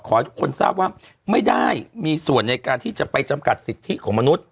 ขอให้ทุกคนทราบว่าไม่ได้มีส่วนในการที่จะไปจำกัดสิทธิของมนุษย